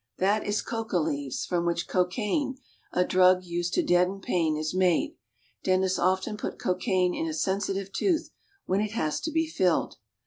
That is coca leaves, from which cocaine, a drug used to deaden pain, is made. Dentists often put cocaine in a sensitive tooth when it has to be filled.